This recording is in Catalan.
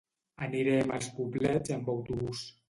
Anirem als Poblets amb autobús.